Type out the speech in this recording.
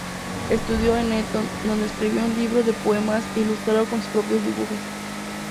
Estudió en Eton, donde escribió un libro de poemas ilustrado con sus propios dibujos.